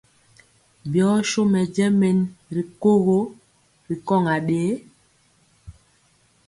Byɔ so mɛjɛ men ti kogo ri kɔŋ aɗee?